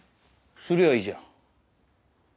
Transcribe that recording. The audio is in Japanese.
すりゃいいじゃん。